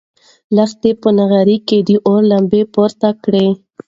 لښتې په نغري کې د اور لمبې پورته کړې.